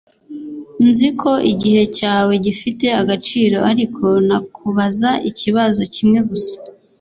Nzi ko igihe cyawe gifite agaciro ariko nakubaza ikibazo kimwe gusa